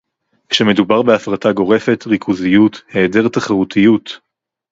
כשמדובר בהפרטה גורפת, ריכוזיות, היעדר תחרותיות